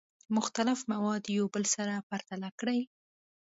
مختلف مواد یو بل سره پرتله کړئ.